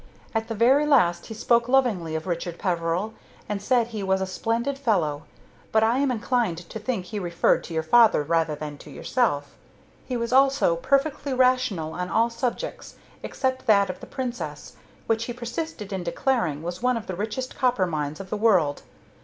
At the very last he spoke lovingly of Richard Peveril, and said he was a splendid fellow; but I am inclined to think he referred to your father rather than to yourself. He was also perfectly rational on all subjects except that of the Princess, which he persisted in declaring was one of the richest copper mines of the world.